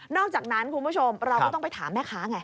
อกจากนั้นคุณผู้ชมเราก็ต้องไปถามแม่ค้าไง